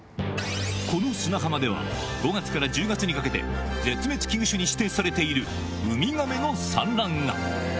この砂浜では、５月から１０月にかけて、絶滅危惧種に指定されているウミガメの産卵が。